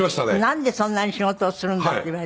なんでそんなに仕事をするんだって言われた？